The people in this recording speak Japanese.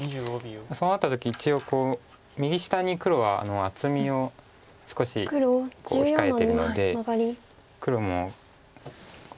そうなった時一応右下に黒が厚みを少し控えてるので黒も。